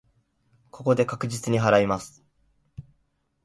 ここで確実に祓います。